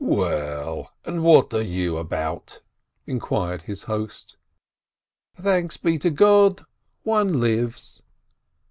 "Well, and what are you about?" inquired his host. "Thanks be to God, one lives